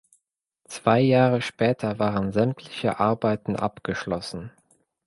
Zwei Jahre später waren sämtliche Arbeiten abgeschlossen.